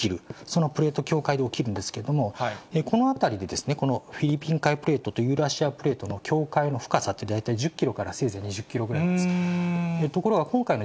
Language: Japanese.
そのプレート境界で起きるんですけれども、この辺りでこのフィリピン海プレートとユーラシアプレートの境界の深さって、大体１０キロから、せいぜい２０キロぐらいです。